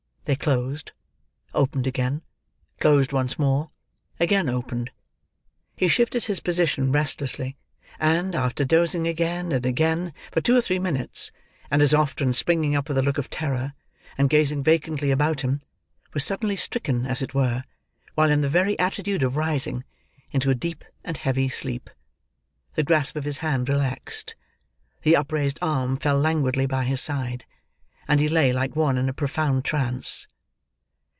They closed; opened again; closed once more; again opened. He shifted his position restlessly; and, after dozing again, and again, for two or three minutes, and as often springing up with a look of terror, and gazing vacantly about him, was suddenly stricken, as it were, while in the very attitude of rising, into a deep and heavy sleep. The grasp of his hand relaxed; the upraised arm fell languidly by his side; and he lay like one in a profound trance.